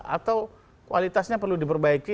atau kualitasnya perlu diperbaiki